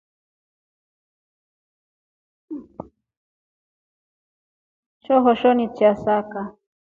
Sohosuni chasaka.